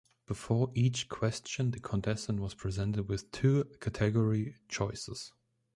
Before each question, the contestant was presented with two category choices.